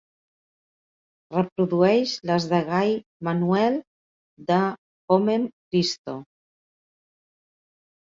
reprodueix les de Guy-manuel De Homem-christo